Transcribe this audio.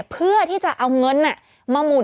เพื่อที่จะเอาเงินมาหมุน